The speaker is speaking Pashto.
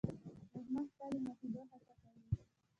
دښمن ستا د ماتېدو هڅه کوي